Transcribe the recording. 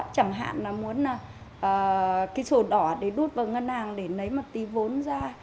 chẳng hạn là muốn cái sổ đỏ để rút vào ngân hàng để lấy một tí vốn ra